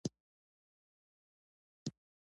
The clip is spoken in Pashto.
احمد او ما تړون سره کړی دی چې د درملو فابريکه به جوړوو.